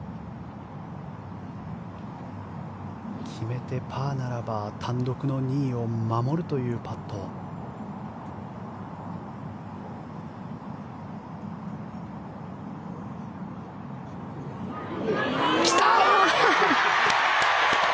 決めてパーならば単独の２位を守るというパット。来た！